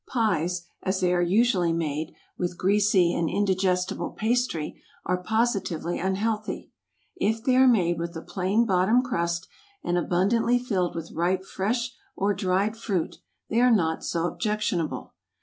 Pies, as they are usually made, with greasy and indigestible pastry, are positively unhealthy; if they are made with a plain bottom crust, and abundantly filled with ripe fresh or dried fruit, they are not so objectionable.